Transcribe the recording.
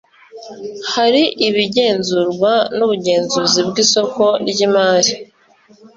Hari ibigenzurwa n’Ubugenzuzi bw’isoko ry’imari